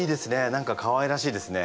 何かかわいらしいですね。